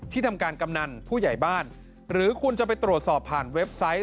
ทำการกำนันผู้ใหญ่บ้านหรือคุณจะไปตรวจสอบผ่านเว็บไซต์